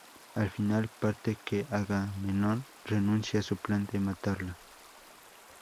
Al final, parte que Agamenón renuncia a su plan de matarla.